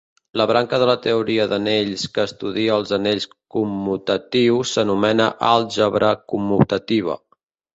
La branca de la teoria d'anells que estudia els anells commutatius s'anomena àlgebra commutativa.